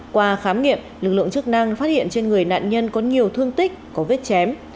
qua khám nghiệm lực lượng chức năng phát hiện trên người nạn nhân có nhiều thương tích có vết chém